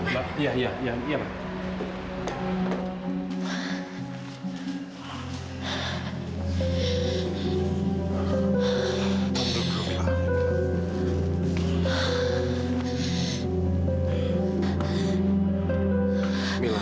tentu bu mila